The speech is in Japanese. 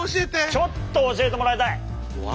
ちょっと教えてもらいたい！